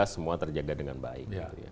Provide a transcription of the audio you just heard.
semua terjaga dengan baik